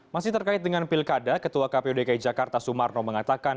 masih terkait dengan pilkada ketua kpu dki jakarta sumarno mengatakan